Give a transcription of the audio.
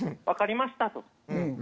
分かりました！と。